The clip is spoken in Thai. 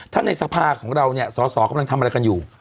ถ้าในสภาของเราเนี่ยสอสอกำลังทำอะไรกันอยู่